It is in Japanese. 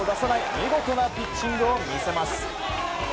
見事なピッチングを見せます。